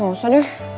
gak usah deh